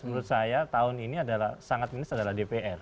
menurut saya tahun ini adalah sangat minus adalah dpr